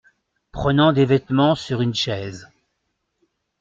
Prenant des vêtements sur une chaise.